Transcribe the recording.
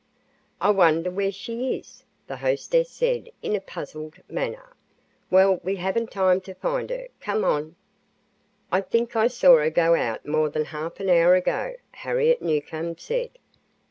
"I wonder where she is," the hostess said, in a puzzled manner. "Well, we haven't time to find her. Come on." "I think I saw her go out more than half an hour ago," Harriet Newcomb said.